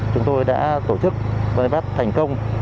chúng tôi đã tổ chức vây bắt thành công